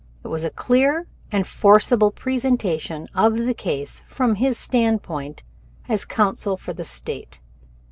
It was a clear and forcible presentation of the case from his standpoint as counsel for the State.